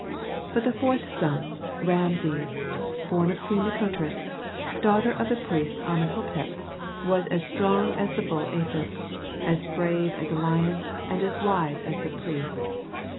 But the fourth son, Rameses, born of Queen Nikotris, daughter of the priest Amenhôtep, was as strong as the bull Apis, as brave as a lion, and as wise as the priests.